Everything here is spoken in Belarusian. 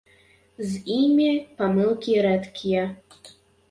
З імі памылкі рэдкія.